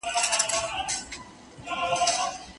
که د داسي چا په مقابل کي ايجاد سي.